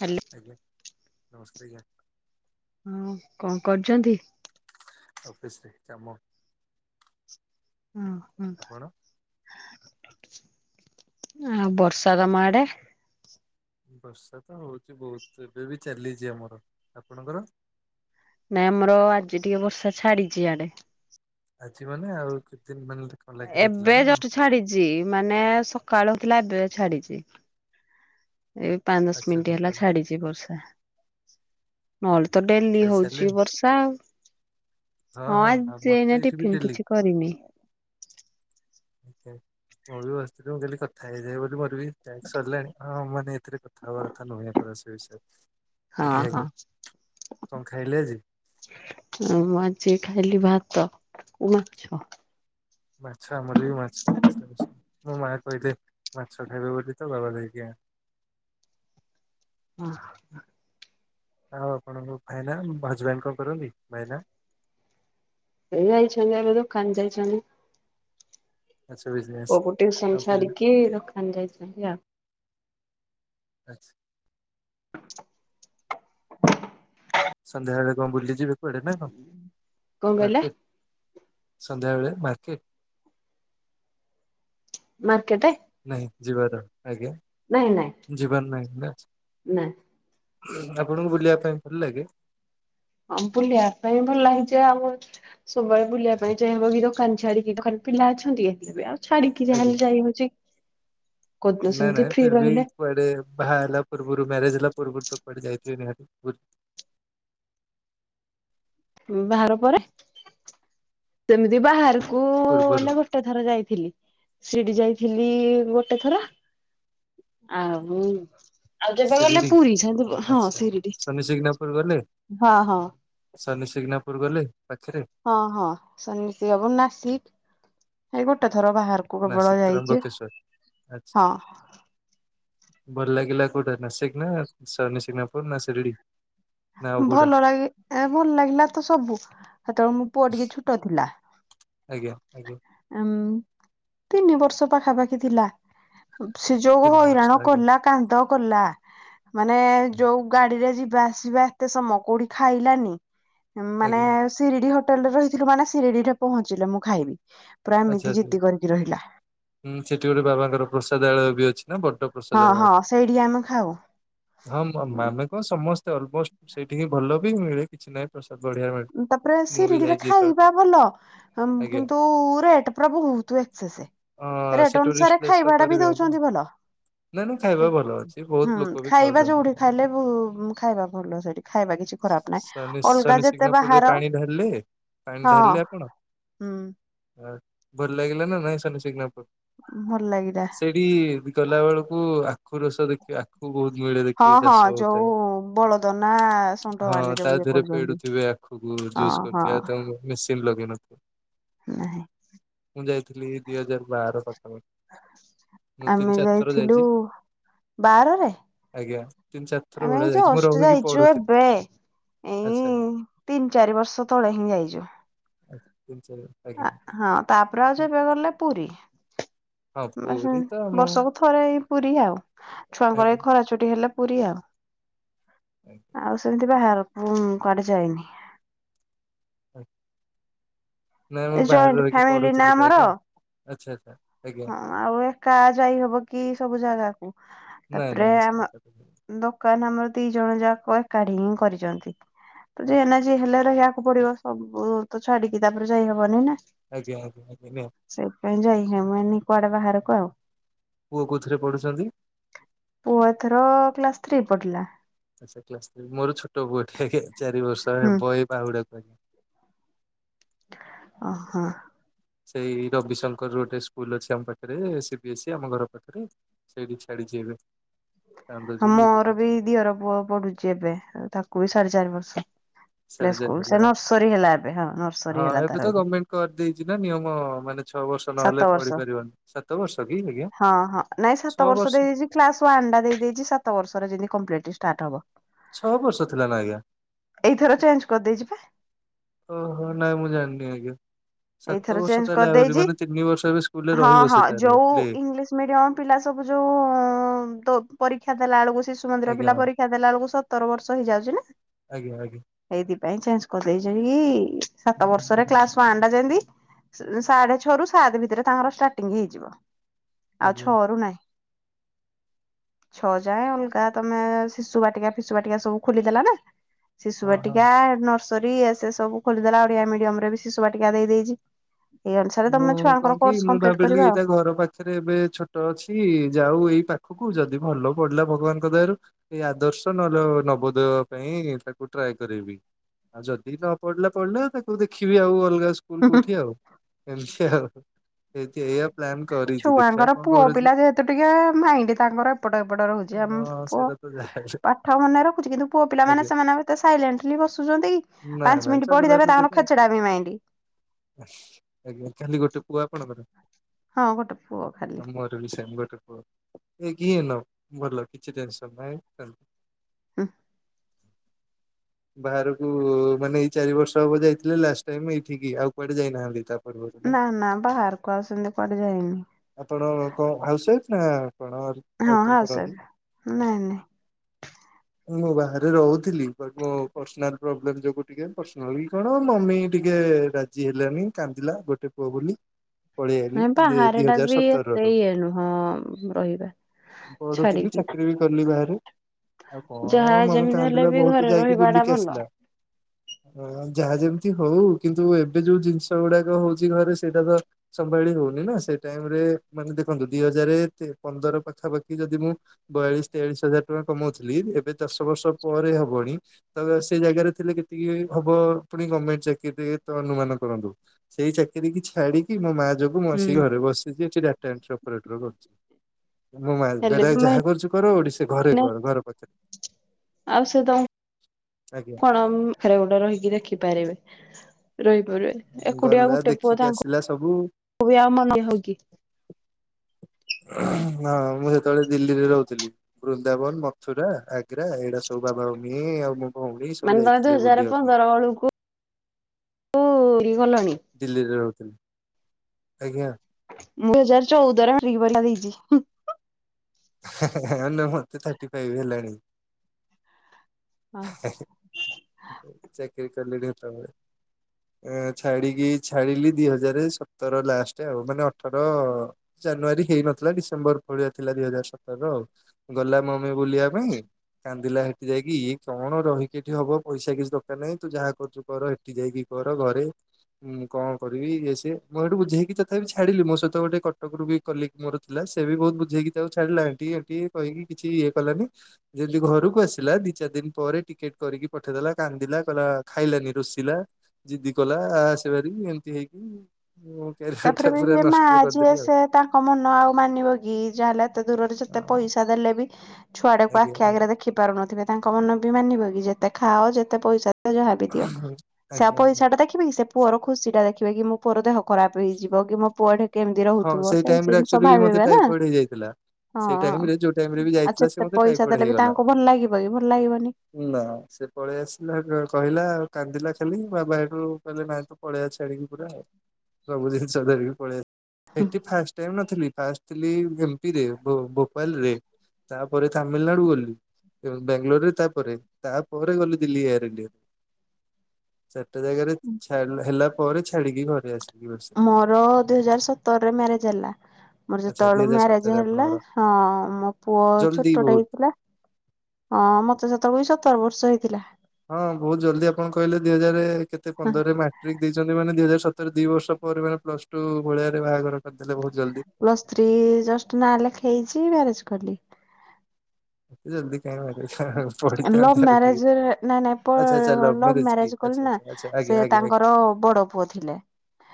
Hello. ଆଜ୍ଞା ନମସ୍କାର ଆଞା। ହଁ କଣ କରୁଛନ୍ତି? ଅଫିସରେ କାମ। ହୁଁ ହୁଁ। ଆପଣ? ଆ ବର୍ଷା ତମ ଆଡେ? ବର୍ଷା ତ ହଉଛି ବହୁତ ଏବେ ବି ଚାଲିଛି ଆମର ଆପଣଙ୍କର? ନାଇଁ ଆମର ଆଜି ଟିକେ ବର୍ଷା ଛାଡିଛି ଆଡେ ଆଜି ମାନେ ଆଉ? ଦିନ ମାନେ କଣ ଲାଗି ରହିଥିଲା ଏବେ ନା କଣ? ଜଷ୍ଟ୍ ଛାଡିଛି, ମାନେ ସକାଳୁ ହୋଉଥିଲା ଏବେ ଛାଡିଛି। ଏଇ ପାଞ୍ଚ-ଦଶ ଆଚ୍ଛା ମିନିଟ ହେଲା ସକାଳୁ ଛାଡିଛି ବର୍ଷା, ମଲ ତ ଡେଲି ହଉଛି ଖାଇସାରିଲେଣି ବର୍ଷା ଆଉ। ହଁ ଆଜି ଆମର ଏ ତ ଯାଇଟି ଏଇଠି ବି ଟିଫିନ ଡେଲି। କିଛି କରିନି। ଓକେ, ମୁଁ ବି ବସିଥିଲି, ମୁଁ କହିଲି କଥା ହେଇଯାଏ ବୋଲି ମୋର ବି ଟ୍ୟାକ୍ସ ସରିଲାଣି। ହଁ ମାନେ ଏଥିରେ କଥା ହବା କଥା ନୁହେଁ ପରେ ସେ ବିଷୟରେ। ହଁ ଆଜ୍ଞା ହଁ। ଆଜ୍ଞା କଣ ଖାଇଲେ ଆଜି? ମୁଁ ଆ ସେ ଖାଇଲି ଭାତ କୁ ମାଛ । ମାଛ ଆମର ବି ମାଛ। ମୋ ମାଆ କହିଲେ ମାଛ ଖାଇବେ ବୋଲି ତ ବାବା ଯାଇକି ଆଣି [inaudible] ହ। ଆଉ ଆପଣଙ୍କୁ ଭାଇନା ହଜବେଣ୍ଡ କ'ଣ କରନ୍ତି? ଭାଇନା? ଏଇ ଯାଇଛନ୍ତି ଏବେ ଦୋକାନ ଯାଇଛନ୍ତି। ଆଚ୍ଛା ବିଜନେସ୍ ପୁଅକୁ ଟିଉସନ ଆଉ ପିଲା ଛାଡିକି, ଦୋକାନ ଯାଇଛନ୍ତି ଆଉ। ଆଚ୍ଛା। ସନ୍ଧ୍ୟା ବେଳେ କଣ ବୁଲିଯିବେ କୁଆଡେ ନା କ'ଣ? କଣ କହିଲେ ମାର୍କେଟ! ସନ୍ଧ୍ୟାବେଳେ ମାର୍କେଟ? ମାର୍କେଟେ, ନାହିଁ ଯିବାର? ଆଜ୍ଞା, ଯିବାର ନାହିଁ ନା। ନାଏ । ଆପଣଙ୍କୁ ବୁଲିବା ପାଇଁ ଭଲ ଲାଗେ? ହଁ ବୁଲିବା ପାଇଁ ଭଲ ହେଇଛି ଆଉ। ସବୁବେଳେ ବୁଲିବା ପାଇଁ ଚାହିଁ ବୋଲି ଦୋକାନ ଛାଡିକି ତ ଖାଲି ପିଲା ଅଛନ୍ତି, ତେବେ ଆଉ ଛାଡିକି ଯାହାହେଲେ ଯାଇ ହଉଛି । ନାଇଁ ନାଇଁ, ଫିରବି ରହିଲେ କୁଆଡେ ବାହା ହେଲା ପୂର୍ବୁରୁ ମ୍ୟାରେଜ ହେଲା ପୁର୍ବୁରୁ ତ କୁଆଡେ଼ ଯାଇଥିବେ ନିହାତି ବୁ ବାହାର ପରେ ସେମିତି ବାହାର କୁ ପୂର୍ବରୁ ଅନେକ ବର୍ଷ ଥରେ ଯାଇଥିଲି। ସେଇଠି ଯାଇ ଥିଲି ଗୋଟେ ଥର। ଆଉ ଆଉ ଯେବେ ଗଲେ ଶିରିଡି ପୁରୀ, ସେମିତି ହଁ ଆଚ୍ଛା ସିରିଡି, ହଁ ହଁ। ଶନି ସିଗ୍ନାପୁର ଗଲେ? ପାଖରେ ହଁ ହଁ ଶନି ସିଆପୁର ନାସିକ ଏଇ ଗୋଟେ ଥର ବାହାରକୁ ନା କେବଳ ଯାଇଛି, ତ୍ରମ୍ବକେଶ୍ୱର ଆଚ୍ଛା। ହଁ। ଭଲ ଲାଗିଲା କୋଉଟା ନାଶିକ ନା ଶନି ସିଗ୍ନାପୂର୍ ନା ସିରିଡି? ଭଲ ଲାଗି ଏ ଭଲ ଲାଗିଲା ତ ସବୁ, ହେତେବେଳେ ମୋ ପୁଅ ଟିକେ ଛୋଟ ଥିଲା। ଆଜ୍ଞା, ଆଜ୍ଞା। ଉଁ ତିନି ବର୍ଷ ପାଖା ପାାଖି ଥିଲା। ସେ ଯୋଉ ତିନି ବର୍ଷ ହଇରାଣ ଆଜ୍ଞା କଲା କାନ୍ଦ କଲା, ମାନେ ଯୋଉ ଗାଡିରେ ଯି ସିଇଏ ବା ଏତେ ସମୟ କୋଉଠି ଖାଇଲାନି, ମାନେ ଆଜ୍ଞା। ସିରିଡି ହ ହୋଟେଲରେ ରହିଥିଲୁ ମାନେ ସିରିଡି ରେ ପହଞ୍ଚିଲେ ମୁଁ ଖାଇବି। ପୁରା ଏମିତି ଆଚ୍ଛା ଆଚ୍ଛା। ଜିଦି କରିକି ରହିଲା ହଁ ସେଠି ଗୋଟେ ବାବାଙ୍କର ପ୍ରସାଦ ଆଳୟ ବି ଅଛି। ନା ବଡ଼ ହଁ ହଁ ପ୍ରସାଦଳୟ, ସେଇଠି ଆମେ ଖାଉ ହଁ ମୋ ଆମେ ତ ସମସ୍ତେ ଅଲମଷ୍ଟ। ସେଇଠି ହିଁ ଭଲ ବି ମିଳେ କିଛି ନାହିଁ ପ୍ରସ ତାପରେ ସିରିଡିରେ ଖାଇବା ଭଲ । ଓମ ଆଜ୍ଞା କିନ୍ତୁ? ପୁରା ରେଟ ପୁରା ବହୁତ୍ ଏକ୍ସସ୍ ଅ ସେ ସେ ରେଟ ଟୁରିଷ୍ଟ ଅନୁସାରେ ପ୍ଲେସ୍ ତ ଖାଇବା ଟା ବି କରିବେ ଆଜ୍ଞା ଦଉଛନ୍ତି ଭଲ। ନାଇଁ ନାଇଁ ଖାଇବା କିନ୍ତୁ, ଭଲ ଅଛି ବହୁତ ହୁଁ ଲୋକ ବି ଖାଇବା ଖାଉଛନ୍ତି। ଯୋଉଁ ବି ଖାଇଲେ ବହୁତ ଖାଇବା ଭଲ ସେଇଠି ଖାଇବା କି କିଛି ଖରାପ ନାହିଁ ଶନି । ଅଲଗା ଶନି ଯେତେ ବା ସିଗ୍ନାପୁରରେ ହାର ପାଣି ଢାଳିଲେ ପାଣି ହଁ, ଢାଳିଲେ ଆପଣ ହୁଁ। ଭଲ ଲାଗିଲା ନା ନାଇଁ ଶନି ସିଗ୍ନାପୁର? ଭଲ ଲାଗିଲା ସେଇଠି ଗଲା ବେଳକୁ ଆ ଆଖୁ ରସ ଦେଖିଵା ଆଖୁ ବହୁତ ମିଳେ ହଁ ଦେଖିଵା ହଁ ଚାଷ ହଉଥାଏ ଯୋଉ ବଳଦ ନା । ଷଣ୍ଢ ମାନେ ହଁ ଯୋଉ ସାଏ ଇଏ ଥିରେ କରୁଛନ୍ତି। ପେଡୁଥିବେ ଆଖୁକୁୁ ଜୁସ୍ ହଁ ହଁ କରୁଥିବା ତାକୁ ମେସିନ୍ ଲଗେଇ ନଥି ନାହିଁ ମୁଁ ଯାଇଥିଲି ଦିଇ ହଜାର ବାର ପାଖ ପାଖି। ଆମେ ଯାଇଥିଲୁ ବାରରେ, ଆଜ୍ଞା ତିନି ଚାରି ଥର ଆମେ ଭଳିଆ ଏଇ ଯାଇଛି ଯୋଉ ମୁଁ ଅଷ୍ଟି ରହିକି ଯାଇଛୁ ପଢୁଥିଲି ଏବେ। ଆଚ୍ଛା ଏଇ-ଇ-ଇ ତିନି ଚାରି ବର୍ଷ ତଳେ ହିଁ ଯାଇଛୁ। ହ ତିନି ଚାରି ଆଜ୍ଞା ଅ ହଁ ତାପରେ ଆଉ ଯେବେ ଗଲେ ପୁରୀ। ହଁ ପୁରୀ ତ [unintelligible] ମୁଁ ବର୍ଷକୁ ଥରେ ଏଇ ପୁରୀ ଆଉ। ଛୁଆଙ୍କର ଏ ଆଜ୍ଞା ଖରାଛୁଟି ହେଲେ ପୁରୀ ଆଉ। ଆଜ୍ଞା ଆଉ ସେମିତି ବାହାର କୁ କୁଆଡ଼େ ଯାଇନି। ନାଇଁ ଏ ମୁଁ ଜଏଣ୍ଟ ବାହାରେ ରହିକି ଫ୍ୟାମିଲି ନା ପଢୁଥିଲି ତ ଆମର ଆଜ୍ଞା। ଆଚ୍ଛା ଆଚ୍ଛା ଆଜ୍ଞା ହଁ, ଆଉ ଏକା ଯାଇ ହବ କି ସବୁ ଜାଗାକୁ। ନାଇଁ ତାପରେ ନାଇଁ ସେ ମ ଆଜ୍ଞା ଦୋକାନ ଆମର ଦି ଜଣ ଯାକ କାଢି ହିଁ କରିଛନ୍ତି। ତ ଯେ ଏନା ହେ ଯେ ହେଲେ ରହିବାକୁ ପଡିବ ସବୁ ତ ଛାଡିକି ତା ଯାଇ ହବନି ନା ଆଜ୍ଞା ଆଜ୍ଞା ସେଇଥିପାଇଁ ଯାଇ ହବନି କୁଆଡେ ବାହାରକୁ ଆଉ। ପୁଅ କଉଥିରେ ପଢୁଛନ୍ତି? ପୁଅ ଏଥର-ଅ-ଅ କ୍ଲାସ ଥ୍ରୀ ପଢିଲା । ଆଛା କ୍ଲାସ ଥ୍ରୀ। ମୋର ଛୋଟ ପୁଅଟିଏ ହିଁ ହିଁ ଚାରି ବର୍ଷ ହୁଁ ହବ ଏ ବାହୁଡାକୁ। ହା [unintelligible] ଓ ହୋ। ସେଇ ରବିଶଙ୍କର ଗୋଟେ ସ୍କୁଲ ଅଛି ଆମ ପାଖରେ ସି ବିି ଏସ୍ ସି ଆମ ଘର ପାଖରେ ସେଇଠି ଛାଡିଛି ଏବେ। ଚାନ୍ଦ ଆ ଯୋଉ ମୋର ବି ଦିଅର ପୁଅ ପଢୁଛି ଏବେ ତାକୁ ବି ସାଢେ ଚାରି ବର୍ଷ। ପ୍ଲେ ସିଆଡେ ଯାଇଥିଲା ସ୍କୁଲ, ନର୍ସରୀ ହେଲା ଏବେ ହଁ ନର୍ସରୀ ହଁ ହେଲା ତାର ତ ଏବେ। ଗଭର୍ଣ୍ଣମେଣ୍ଟ କରିଦେଇଛି ନା ନିୟମ ମାନେ ଛଅ ବର୍ଷ ନହେଲେ ସାତ ପଢି ବର୍ଷ ପାରିବନି। ସାତ ବର୍ଷ କି ଆଜ୍ଞା ହଁ ହଁ ନାଇ ସାତ ବର୍ଷ ହେଇଯାଇଛି କ୍ଲାସ ୱାନ୍ ଆଣ୍ଡା ଦେଇ ଦେଇଛି ସାତ ବର୍ଷରେ ଯେମିତ କମ୍ପିଲଟ ଷ୍ଟାଟ ହବ। ଛଅ ବର୍ଷ ଥିଲା ନା ଆଜ୍ଞା। ଏଇଥର ଚେଞ୍ଜ କରିଦେଇଛି ପା ଓ ହୋ, ନାଇ ମୁଁ ଜାଣିନି ଆଜ୍ଞା। ସାତ ଏଇଥର ବର୍ଷ ଚେଞ୍ଜ ତାହେଲେ ଆହୁରି କରିଦେଇଛି। ମାନେ ତିନି ବର୍ଷ ଏବେ ସ୍କୁଲରେ ହଁ ରହିବ ହଁ ସେ ତାହେଲେ ଯୋଉ ପ୍ଲେ ଇଂଲିଶ ମିଡିୟମ ପିଲା ସବୁ ଏବେ ଯୋଉ-ଉ-ଉ-ଉ ଦ ପରୀକ୍ଷା ଦେଲା ବେଳକୁ ଶିଶୁ ମନ୍ଦିର ଆଜ୍ଞା ପିଲା ମ୍ୟାମ୍। ପରୀକ୍ଷା ଦେଲା ବେଳକୁ ସତର ବର୍ଷ ହେଇଯାଉଛି ନା। ଆଜ୍ଞା ଆଜ୍ଞା ସେଇଥି କାଇ ଚେଞ୍ଜ କରିଦେଇଛ କି-ଇ-ଇ ସାତ ବର୍ଷରେ କ୍ଲାସ ୱାନଟା ଯେମିତି ସାଢେ ଛଅ ରୁ ସାତ ଭିତରେ ତାଙ୍କର ଷ୍ଟାର୍ଟିଙ୍ଗ ହେଇଯିବ। ଆଉ ଆଜ୍ଞା ଛଅରୁ ନାହିଁ। [unintelligible] ଛଅ ଯାଏଁ ଅଲଗା ତମେ ଶିଶୁ ବାଟିକା ଫିଶୁ ବାଟିକା ସବୁ ଖୋଲିଦେଲା ନା। ଶିଶୁ ହଁ ହଁ। ବାଟିକା ନର୍ସରୀ ଏ ସେ ସବୁ ଖୋଲିଦେଲା ଓଡିଆ ମିଡିୟମ ରେ ବି ଶିଶୁ ବାଟିକା ଦେଇ ଦେଇଛି। ଏଇ ଅନୁସାରେ ମୁଁ ତମେ ଛୁଆଙ୍କର କଣ କି, କୋର୍ସ ମୁଁ କମ୍ପ୍ଲିଟ ଭାବିଲି କରିବା ଏଇଟା ଘର ପାଖରେ ଏବେ ଛୋଟ ଅଛି ଯାଉ ଏଇ ପାଖ ପାଖକୁୁ ଯଦି ଭଲ ପଢିଲା ଭଗବାନଙ୍କ ଦୟାରୁ ଏଇ ଆଦର୍ଶ ନହେଲେ ନବୋଦୟ ପାଇଁ ତାକୁ ଟ୍ରାଏ ଟ୍ରାଏ କରିବି। ଯଦି ନ ପଡିଲା ପଡିଲା ତାକୁ ଦେଖିବି ଆଉ ଅଲଗା ସ୍କୁଲ କଉଠି ଆଉ ଏମିତି ଆଉ। ଏଇଠି ଏଇଆ ପ୍ଲାନ୍ କରିଛି ଦେଖିବା ଛୁଆଙ୍କର କଣ ପୁଅ କରୁଛି। ପିଲା ଯେହେତୁ ଟିକେ ମାଇଣ୍ଡ ତାଙ୍କର ଏପଟ ଏପଟ ରହୁଛି ଆ ହଁ ପୁଅ ସେଇଟା ତ ଯାହାହେଲେ ପାଠ ମନେ ରଖୁଛି କିନ୍ତୁ ପୁଅ ପିଲା ମାନେ ଆଜ୍ଞା। ସେମାନେ ଏତ ସାଇଲେଣ୍ଟଲି ବସୁଛନ୍ତି କି। ନାଇଁ ପାଞ୍ଚ ନାଇଁ ମିନିଟ୍ ଚଗଲାମି ପଢିଦବେ ରୁ ତାଙ୍କର ଟିକେ ଖେଚଡାମି ମାଇଣ୍ଡ। ଆଜ୍ଞା କାଲି ଗୋଟେ ପୁଅ ଆପଣଙ୍କର? ହଁ ଗୋଟେ ପୁଅ ଖାଲି ମୋର ବି ସେମ୍ ଗୋଟେ ପୁ ଅ ଏକ୍ ହିଁ ଇନଅଫ୍ ଭଲ କିଛି ଟେନସନ ନାହିଁ। ହୁ [unintelligible] ବାହାରକୁ-ଉ-ଉ ମାନେ ଏଇ ଚାରି ବର୍ଷ ହବ ଯାଇଥିଲେ ଲାଷ୍ଟ ଟାଇମ ଏଇଠିକି ଆଉ କୁଆଡେ ଯାଇନାହାନ୍ତି ତାପ ଆପଣ ନା ନା ବାହାରକୁ ଆଉ ସେମିତି କୁଆଡେ ଯାଇନି କଣ ହାଉସ ୱାଇଫ୍? ହଁ ହଁ ସରେ ନାଇଁ ନାଇଁ ମୁଁ ବାହାରେ ରହୁଥିଲି ବଟ୍ ମୋ ପର୍ସନାଲ ପ୍ରୋବ୍ଲେମ ଯୋଗୁ ଟିକେ ପର୍ସନାଲି କଣ ମମି ଟିକେ ରାଜି ହେଲାନି କାନ୍ଦିଲା ଗୋଟେ ପୁଅ ବୋଲି। ପଳେଇ ଆଇଲି ନାଇଁ ବାହାର ଦି ଟା ହଜାର ବି ଏତେ ସତରରୁ। ଇଏ ନୁହଁ ରହିବା। ପଢୁଥିଲି ଛାଡିକି ଚାକିରରି ବି କଲି ବାହାରେ। ଆଉ ଯାହା କଣ ମମି ଯେମିତି ହେଲେ କାନ୍ଦିଲା ବି ବହୁତୁ ଘରେ ଯାଇକି ରହିବା ଟା ବୁଲିକି ଭଲ ଆସିଲା। ଯାହା ଯେମିତି ହଉ କିନ୍ତୁ ଏବେ ଯୋଉ ଜିନିଷ ଗୁଡାକ। ହଉଛି ଘରେ ସେଇଟା ତ ସମ୍ଭାଳି ହଉନି ନା ସେ ଟାଇମ୍ ରେ ମାନେ ଦେଖନ୍ତୁ ଦି ହଜାରେ ର ପାଖାପାଖି ଯଦି ମୁଁ ବୟାଳିଶ ତେୟାଳିଶ ହଜାର ଟଙ୍କା କମାଉଥିଲି ଏବେ ଦଶ ବର୍ଷ ପରେ ହବଣି। ତ ସେ ଜାଗାରେ ଥିଲେ କେତିକି ହବ ପୁଣି ଗମେଣ୍ଟ ଚାକିରି ଅନୁମାନ କରନ୍ତୁ। ସେଇ ଚାକିର କି ଛାଡିକି ମୋ ମା ଯୋଗୁ ମୁଁ ହୁଁ। ଆସି ଘରେ ବସିଛି। ଚି ଡାଟା ଏଣ୍ଟ୍ରି ଅପରେଟର କରୁଛି ମୁଁ ମା ହେଲେ ବି ଯାହା କରୁଛି କର ଓଡିଶା ଘରେ ଘରେ ଘରେ ପଛରେ ଆଉ ସେ ତମ ଆଜ୍ଞା। କଣ ପାଖରେ ଗୋଟେ ରହିକି ଦେଖିପାରିବେ। ରହି ଏକୁଟିଆ ଗଲା ଗୋଟେ ପୁଅ ଦେଖିକି ଆସିଲା ସବୁ ତାଙ୍କୁ ବି ଆଉ ମନେ ହଉକିି? ହଁ ମୁଁ ସେତେବେଳେ ଦିଲ୍ଲ ରେ ରହୁଥିଲି ବୃନ୍ଦାବନ ମଥୁରା ଆଗ୍ରା ଏଇଟା ସବୁ ବାବାଁ ଆଉ ମୁଁ ମାନେ ତମେ ଦୁଇ ହଜାର ପନ୍ଦର ବେଳକୁ କୁ ଇ ଗଲଣି। ଆଜ୍ଞା। ମୁଁ ଦୁଇ ହଜରେ ଚଉଦ ରେ ମାଟ୍ରିକ ପରୀକ୍ଷା ଦେଇଛି। ହେଁ ହେଁ ନା ମତେ ଥାର୍ଟି ଫାଇଭ ହେଲାଣି। ହ ହ ଚାକରି କରିଲିିଲି ତମେ ଛାଡିକି ଛାଡିଲି ଦି ହଜାର ସତର ଲାଷ୍ଟ ଆଉ ମାନେ ଅଠର ଜାନୁଆରୀ ହେଇନଥିଲା ଡିସେମ୍ବର ଭଳିଆ ଥିଲା ଦିଇ ହଜାର ସତର ଆଉ ଗଲା ମମି ବୁଲିବା ପାଇଁ କାନ୍ଦିଲା ହେଠି ଯାଇକି ଇଏ କଣ ରହିକି ଏଠି ହବ ପଇସା କିଛି ଦରକାର ନାହିଁ ତୁ ଯାହା କରୁଛୁ କର ହେଠି ଯାଇକି ତୋର ଘରେ ହଁ କଣ କରିବି ଇଏ ସିଏ ମୁଁ ଏଇଠୁ ବୁଝେଇକି ତଥାପି ଛାଡିଲି ମୋ ସହିତ ଗୋଟେ କଟକ ରୁ ବି କଲିି ମୋର ଥିଲା। ସେ ବି ବହୁତ ବୁଝେଇକି ତା ଛାଡ଼ିଲା ଏଠି ହେଠୀ କହିକି କିଛି ଇଏ କଲାନି ଯେମିତି ଘରକୁ ଆସିଲା ଦି ଚାରି ଦିନ ପରେ ଟିକେଟ କ ନିକି ପଠେଇଦେଲା କାନ୍ଦିଲା କହିଲା ଖାଇଲାନି ରୁଷିଲା ଜିଦି କଲା ଆ ଆସିବାରି ଏମିତି ହେଇକି ମୋ କ୍ୟାରିୟର ଟା ତାପରେ ବି ପୁରା ଯିଏ ମା ନଷ୍ଟ ଯିଏ କରିଦେଲି ଆଉ। ସେ ତାଙ୍କ ମନ ଆଉ ମାନିବ କି ଯା ହେଲା ଏତେ ଦୂରରେ ଯେତେ ପଇସା ଦେଲେ ବି ଛୁଆ ଟାକୁ ଆଜ୍ଞା ଆଖି ଆଜ୍ଞା। ଆଗରେ ଦେଖି ପାରୁନଥିବେ। ତାଙ୍କ ମନ ବି ମାନିବ କି ଯେତେ ଖାଅ ଯେତେ ପଇସା ଯାହାବି ଦିଅ ସେ ଆଜ୍ଞା ପଇସାଟା ଦେଖିବେ କି ସେ ପୁଅର ଖୁସି ଟା ଦେଖିବେ କି ମୋ ପୁଅର ଦେହ ଖରାପ ହେଇଯିବ କି ମୋ ପୁଅ ଟ କେମିତି ହଁ ରହୁଥିବ ସେଇ ଟାଇମ ରେ ଜିନିସ ଆକ୍ଚୁଆଲି ବି ମତେ ଭାବିବେ ନା। ଟାଇଫଏଡ ହେଇଯାଇଥିଲା। ହଁ ସେଇ ଟାଇମ ଆଉ ରେ ଯୋଉ ଟାଇମ ରେ ବି ଯାଇଥିଲା ସେ ଯେତେ ମତେ ପଇସା ଟାଇଫଏଡ ଦେଲେ ବି ହେଇଗଲା। ତାଙ୍କୁ ଭଲ ଲାଗିବ କି ଭଲ ଲାଗିବନି। ନା ସେ ପଳେଇ ଆସିଲା କହିଲା ଆଉ କାନ୍ଦିଲା ଖାଲି ବାବା ହେଠୁ କହିଲେ ନାଇ ତୁ ପଳେଇଆ ଛାଡିକ ପୁରା ସବୁ ଜିନିଷ ଧରିକି ପଳେଇଆ ଏଠି ଫାଷ୍ଟ ଟାଇ ନଥିଲି ଫାଷ୍ଟ ଥିଲି ଏମ ପି ରେ ଭୋପାଳ ରେ। ତାପରେ ତାମିଲନାଡୁ ଗଲି। ବାଙ୍ଗାଲୋରରେ ତାପରେ ତାପରେ ଗଲେ ଦିଲ୍ଲୀ ଏୟାର ଇଣ୍ଡିଆ ଗୋଟେ ଜାଗାରେ ଛା ହେଲା ପରେ ଛାଡିକି ଘରେ ଆସିଲୀ। ମୋର ଦୁଇ ହଜାର ସତରରେ ମ୍ୟାରେଜ ହେଲା। ମୋର ଆଚ୍ଛା ଦି ଯେତେବେଳୁ ହଜାର ମ୍ୟାରେଜ ସତରରେ ହେଲା ଆପଣଙ୍କର ହଁ ମୋ ପୁଅ ଜଲ୍ଦି ଛୋଟଟେ ବହୁତ ହେଇଥିଲା। ହଁ ମତେ ସେତେବେଳେ ସତର ବର୍ଷ ହେଇଥିଲା। ହଁ ବହୁତ ଜଲଦି ଆପଣ କହିଲେ ଦିଇ ହଜାର କେତେ ପନ୍ଦରରେ ମାଟ୍ରିକ ଦେଇଛନ୍ତି ମାନେ ଦୁଇ ହଜାର ସତରେ ଦି ବର୍ଷ ପରେ ମାନେ ପ୍ଲସ ଟୁ ଭଳିଆରେ ବାହାଘର କରିଦେଲେ ବହୁତ ଜଲ୍ଦି। ପ୍ଲସ ଥ୍ରି ଜଷ୍ଟ ନା ଲେଖ ହେଇଛି ମାରେଜ କଲି। ଏତେ ଜଲ୍ଦି କାହିଁ ବାହାଘର ଲଭ ପଢିଥାନ୍ତେ ଆଉ ଟିକେ। ମ୍ୟାରେଜ ନାଇଁ ଆଚ୍ଛା ଆଚ୍ଛା ନାଇଁ ଲଭ୍ ଲଭ କି ମ୍ୟାରେଜ ଆଚ୍ଛା କଲେ ନା। ଆଚ୍ଛା ଆଚ୍ଛା ଆଜ୍ଞା ସେ ଆଜ୍ଞା ଆଜ୍ଞା ତାଙ୍କର ବଡ ପୁଅ ଥିଲେ।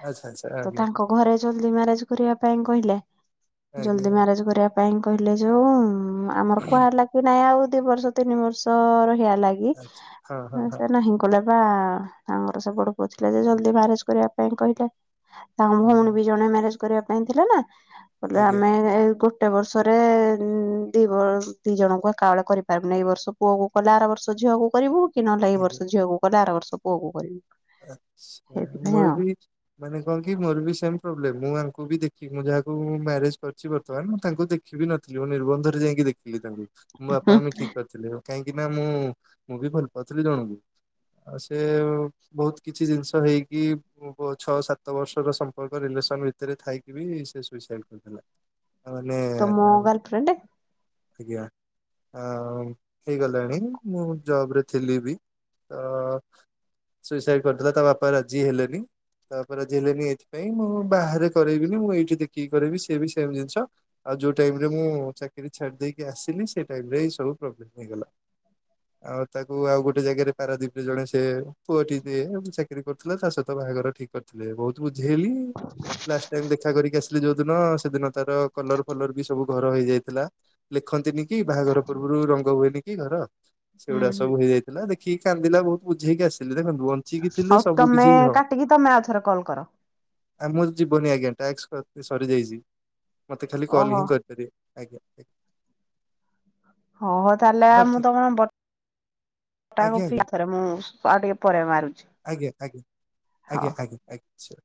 ଆଚ୍ଛା ଆଚ୍ଛା ତ ଆଜ୍ଞା। ତାଙ୍କ ଘରେ ଜଲଦି ମ୍ୟାରେଜ କରିବା ପାଇଁ କହିଲେ। ଆଜ୍ଞା ଜଲ୍ଦି ଆଜ୍ଞା। ମ୍ୟାରେଜ କରିବା ପାଇଁ। କହିଲେ ଯୋଉ ଆମର କୁହାହେଲା କି ନାଇଁ ଆଉ ଦି ବର୍ଷ ତିନି ବର୍ଷ ରହିଆକୁ। ଆଚ୍ଛା ହଁ ହଁ ହଁ ସେଥିଲାଗି ନାହିଁ କଲେ ବା ତାଙ୍କର ସେପଟ ବୁଝିଲେ ଯେ ଜଲଦି ମ୍ୟାରେଜ କରିବା।। କହିଲା ତାଙ୍କ ହୁଁ, ଭଉଣୀ ବି ଜଣେ ମ୍ୟାରେଜ କରିବା ପାଇଁ ଥିଲା ନା। ବୋଲେ ଆଜ୍ଞା ଆମେ ଗୋଟେ ବର୍ଷରେ ଦି ଦି ଜଣଙ୍କୁ ଏକାବେଳେ କରି ତାମାନେ ଏଇ ବର୍ଷ ପୁଅ କଲେ ଆର ବର୍ଷ ଝିଅକୁ କରିବୁ କି ନହଲେ ଏଇ ବର୍ଷ ଝିଅକୁ କଲେ ଆର ବର୍ଷ ପୁଅ କକୁ କରିବୁ। ଆଛା ସେଇଥିପାଇଁ ମୋର ଆଉ ବି ମାନେ କଣ କୀ ମୋର ବି ସେମ ପ୍ରୋବ୍ଲେମ। ମୁଁ ଆଙ୍କୁ ବି ଦେଖି ମୁଁ ଯାହାକୁ ମ୍ୟାରେଜ କରିଛି ବର୍ତ୍ତମାନ ମୁଁ ତାଙ୍କୁ ଦେଖିବି ନଥିଲି ମୁଁ ନିର୍ବନ୍ଧରେ ଯାଇକି ଦେଖିଲି। ଦେଖିଲି ତାଙ୍କୁ ମୋ ବାପା ମମି ଠିକ୍ କରିଥିଲେ ତାଙ୍କୁ। କାହିଁକି ନା ମୁଁ ମୁଁ ବି ଭଲ ପାଉଥିଲି ଜଣଙ୍କୁ ଆଉ ସେ ବହୁତ କିଛି ଜିନିଷ ହେଇକି ଛଅ ସାତ ବର୍ଷର ସମ୍ପର୍କ ରିଲେସନ ଭିତରେ ଥାଇକି ବି ସେ ସୁଈସାଇଡ କରିଦେଲା। ତମ ଗାର୍ଲଫ୍ରେଣ୍ଡ। ଆଜ୍ଞା ହେଇଗଲାଣି ମୁଁ ଜବ ରେ ଥିଲି ବି। ତ ସୁଇସାଇଡ କରିଦେଲା ତା ବାପା ରାଜି ହେଲେନି। ତା ବାପା ରାଜି ହେଲେନି ଏଥିପାଇଁ ମୁଁ ବାହାରେ କରାଇବିନି ମୁଁ ଏଇଠି ଦେଖିକି କରାଇବି ସିଏ ବି ସେମ ଜିନିଷ। ଆଉ ଯୋଉ ଟାଇମ ରେ ମୁଁ ଚାକିରୀ ଛାଡି ଦେଇକି ଆସିଲି ସେ ଟାଇମ ରେ ସବୁ ପ୍ରବ୍ଲେମ ହେଇଗଲା। ଆଉ ତାକୁ ଆଉ ଗୋଟେ ଜାଗାରେ ପାରାଦଵୀପ ରେ ଜଣେ ସେ ପୁଅଟି ଦିଏ ଚାକିରି କରୁଥିଲା ତା ସହିତ ବାହାଘର ଠିକ କରିଥିଲେ ବହୁତ ବୁଝା ହେଲି ଲାଷ୍ଟ ଟାଇମ ଦେଖା କରିକି ଆସିଲି ଯୋଉ। ସେ ଦିନ ସେଦିନ ତାର କଲର ଫଲର ବି ସବୁ ଘର ହେଇଯାଇଥିଲା ଲେଖନ୍ତିନି। କି ବାହାଘର ପୂର୍ବରୁ ରଙ୍ଗ ହୁଏନି କି ଘର ହୁଁ ସେଗୁଡା ହୁଁ। ସବୁ ହେଇଯାଇଥିଲା ଦେଖ। କି କାନ୍ଦିଲା ବହୁତ ବୁଝେଇକି ଆସିଲି ଧନ। ବଞ୍ଚିକି ଥିଲେ ହଉ ସବୁ ତମେ କିଛି ହଵ। କାଟିକି ତମେ ଆଉଥରେ କଲ୍ କର ଆଉ ମୋର ଯିବନି ଆଜ୍ଞା ଟାସ୍କ। ସରିଯାଇଛି ମୋତେ ଖାଲି କଲ୍ ଓହୋ। ହିଁ କରିପାରିବେ ଆଜ୍ଞା। ହଁ ତାହେଲେ ହଉ ମୁଁ ଠିକ ତମଟା ଆଜ୍ଞା ଫି ଆଜ୍ଞା ଥରେ ମୁଁ। ହଁ ଟିକେ ପରେ ମାରୁଛି ହଁ। ଆଛା।